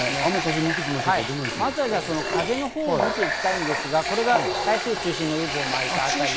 まずは風のほうを見ていきたいんですが、これが台風中心の渦を巻いた辺り。